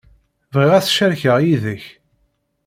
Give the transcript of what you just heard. Bɣiɣ ad t-cerkeɣ yid-k.